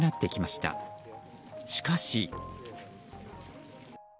しかし。